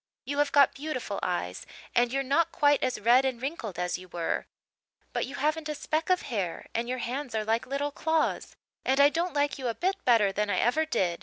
You have got beautiful eyes and you're not quite as red and wrinkled as you were but you haven't a speck of hair and your hands are like little claws and I don't like you a bit better than I ever did.